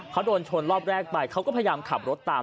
เขาโดนชนรอบแรกไปเขาก็พยายามขับรถตาม